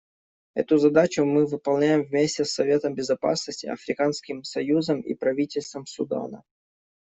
Эту задачу мы выполняем вместе с Советом Безопасности, Африканским союзом и правительством Судана.